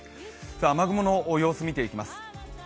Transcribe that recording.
雨雲の様子見ていきます。